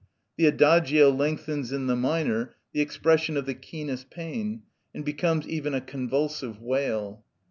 The Adagio lengthens in the minor the expression of the keenest pain, and becomes even a convulsive wail.